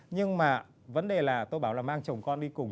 nhưng mà vấn đề là tôi bảo là mang chồng con đi cùng